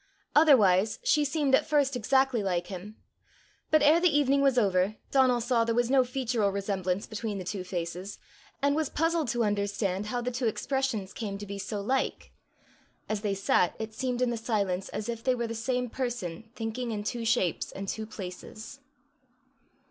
Otherwise she seemed at first exactly like him. But ere the evening was over, Donal saw there was no featural resemblance between the two faces, and was puzzled to understand how the two expressions came to be so like: as they sat, it seemed in the silence as if they were the same person thinking in two shapes and two places.